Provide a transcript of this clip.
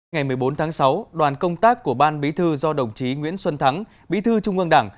ngày một mươi bốn tháng sáu đoàn công tác của ban bí thư do đồng chí nguyễn xuân thắng bí thư trung ương đảng